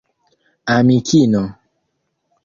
amikino